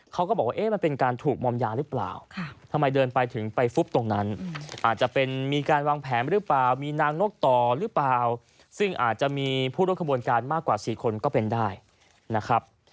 เขาก็บอกว่าเอ๊ะมันเป็นการถูกมอมยาหรือเปล่าทำไมเดินไปถึงไปฟุบตรงนั้นอาจจะเป็นมีการวางแผนหรือเปล่ามีนางนกต่อหรือเปล่าซึ่งอาจจะมีผู้ร่วมขบวนการมากกว่า๔คนก็เป็นได้นะครับ